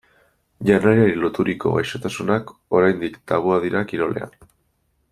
Janariari loturiko gaixotasunak oraindik tabua dira kirolean.